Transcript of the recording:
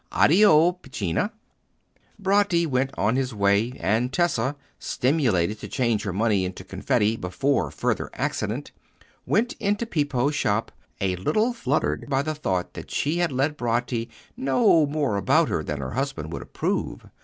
Addio, piccina." Bratti went on his way, and Tessa, stimulated to change her money into confetti before further accident, went into Pippo's shop, a little fluttered by the thought that she had let Bratti know more about her than her husband would approve.